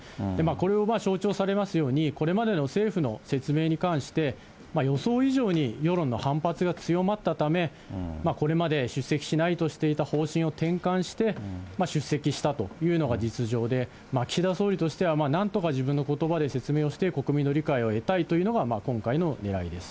これを象徴されますように、これまでの政府の説明に関して、予想以上に世論の反発が強まったため、これまで出席しないとしていた方針を転換して、出席したというのが実情で、岸田総理としては、なんとか自分のことばで説明をして、国民の理解を得たいというのが、今回のねらいです。